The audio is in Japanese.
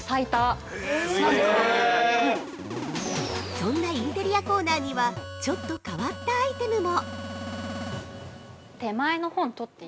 ◆そんなインテリアコーナーにはちょっと変わったアイテムも◆